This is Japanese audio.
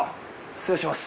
失礼します。